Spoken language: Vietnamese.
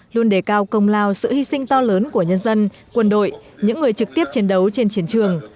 luôn đề cao công lao sự hy sinh to lớn của nhân dân quân đội những người trực tiếp chiến đấu trên chiến trường